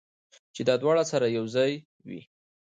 چې دواړه سره یو ځای وي